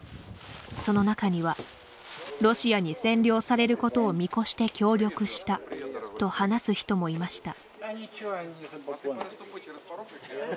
その中には「ロシアに占領されることを見越して協力した」と話す人もいました。